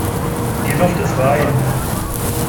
Die Luft ist rein.